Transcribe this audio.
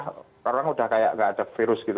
karena orang sudah kayak tidak ada virus gitu